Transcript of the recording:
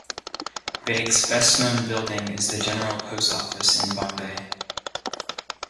Begg's best-known building is the General Post Office in Bombay.